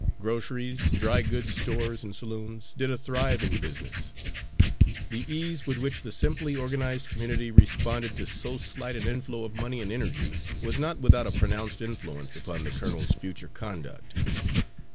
Groceries, dry goods stores and saloons, did a thriving business. The ease with which the simply organised community responded to so slight an inflow of money and energy, was not without a pronounced influence upon the colonel's future conduct.